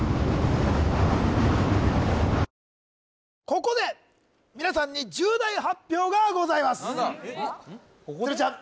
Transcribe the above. ここで皆さんに重大発表がございます鶴ちゃん